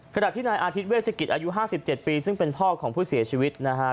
ขณะที่นายอาทิตยเวสกิจอายุ๕๗ปีซึ่งเป็นพ่อของผู้เสียชีวิตนะฮะ